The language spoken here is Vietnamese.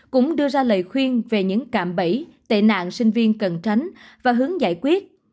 cũng đưa ra lời khuyên về những cạm bẫy tệ nạn sinh viên cần tránh và hướng giải quyết